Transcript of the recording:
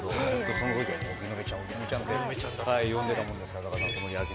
その当時は「荻野目ちゃん荻野目ちゃん」って呼んでたもんですから。